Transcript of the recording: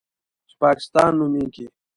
چې پاکستان نومېږي.